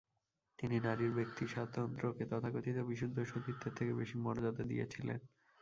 তিনি নারীর ব্যক্তিস্বাতন্ত্রকে তথাকথিত বিশুদ্ধ সতীত্বের থেকে বেশি মর্যাদা দিয়েছিলেন।